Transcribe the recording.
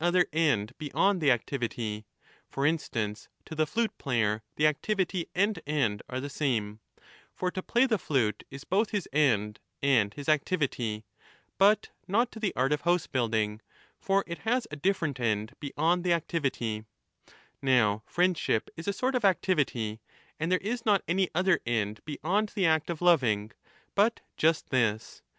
12 I2n'' other end beyond the activity ; for instance, to the flute player the activity and end are the same (for to play the flute is both his end and his activity) ; but not to the art 30 of housebuilding (for it has a different end beyond the activity) ; now friendship is a sort of activity, and there is not any other end beyond the act of loving, but just this.